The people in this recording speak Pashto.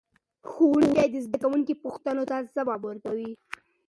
ښوونکي د زده کوونکو پوښتنو ته ځواب ورکوي.